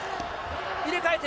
入れ替えて。